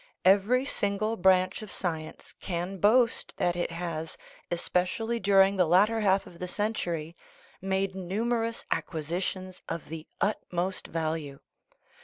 Every single branch of science can boast that it has, especially during the latter half of the century, made numerous acquisitions of the ut most value.